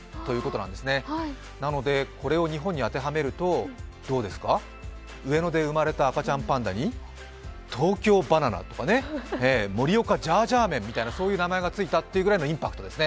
なので、これを日本に当てはめるとどうですか上野で生まれた赤ちゃんパンダに東京バナナとか、盛岡ジャージャー麺という名前がついたというぐらいのインパクトですね。